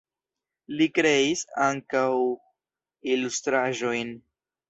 Li kreis ankaŭ ilustraĵojn.